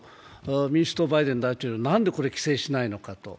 民主党のバイデン大統領、なんでこれ規制しないのかと。